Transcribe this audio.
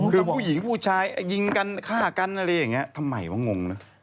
คือผู้หญิงผู้ชายยิงกันฆ่ากันอะไรอย่างนี้ทำไมว่างงนะ